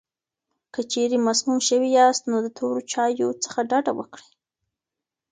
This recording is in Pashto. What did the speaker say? که چېرې مسموم شوي یاست، نو د تورو چایو څخه ډډه وکړئ.